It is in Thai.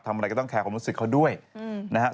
อะไรก็ต้องแคร์ความรู้สึกเขาด้วยนะครับ